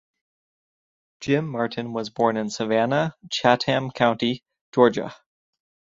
Jim Martin was born in Savannah, Chatham County, Georgia.